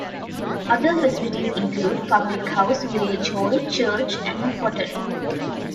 Other facilities include: Public House, Village hall, Church and a Pottery.